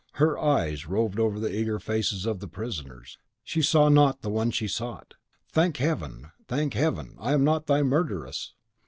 Her eyes roved over the eager faces of the prisoners; she saw not the one she sought. "Thank Heaven! thank Heaven! I am not thy murderess!"